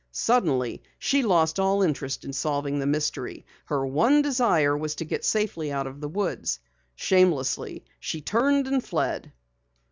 Suddenly she lost all interest in solving the mystery. Her one desire was to get safely out of the woods. Shamelessly, she turned and fled.